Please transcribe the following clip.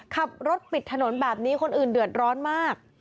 ขับรถปิดถนนแบบนี้คนอื่นเดือดร้อนมาก